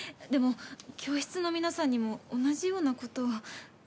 でも教室の皆さんにも同じような事を。